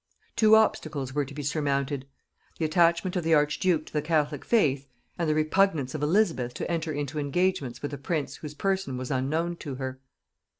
Two obstacles were to be surmounted, the attachment of the archduke to the catholic faith, and the repugnance of Elizabeth to enter into engagements with a prince whose person was unknown to her.